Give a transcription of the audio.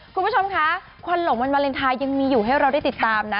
คุณผู้ชมคะควันหลงวันวาเลนไทยยังมีอยู่ให้เราได้ติดตามนะ